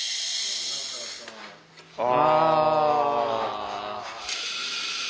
あ。